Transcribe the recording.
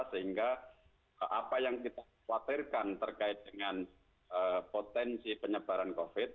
sehingga apa yang kita khawatirkan terkait dengan potensi penyebaran covid